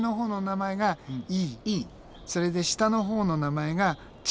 それで下のほうの名前がチー。